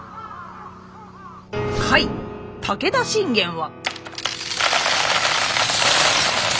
甲斐武田信玄は。